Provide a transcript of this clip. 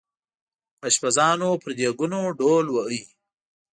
اشپزانو پر دیګونو ډول واهه.